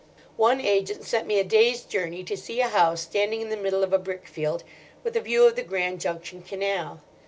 "One agent sent me a day's journey to see a house standing in the middle of a brickfield, with a view of the Grand Junction Canal.